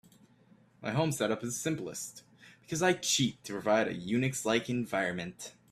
My home set up is simplest, because I cheat to provide a UNIX-like environment.